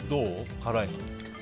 辛いの。